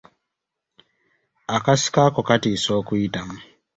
Akasiko ako katiisa okuyitamu.